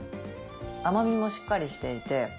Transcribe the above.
鼎澆しっかりしていて。